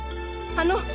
あの。